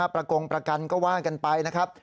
ประกงประกันก็ว่ากันไปนะครับ